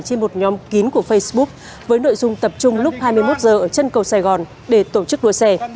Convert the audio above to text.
trên một nhóm kín của facebook với nội dung tập trung lúc hai mươi một h ở chân cầu sài gòn để tổ chức đua xe